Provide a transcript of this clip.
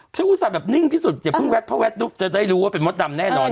อุตส่าห์แบบนิ่งที่สุดอย่าเพิทเพราะแวดจะได้รู้ว่าเป็นมดดำแน่นอน